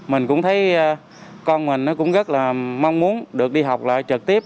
mình cũng thấy con mình cũng rất mong muốn được đi học trực tiếp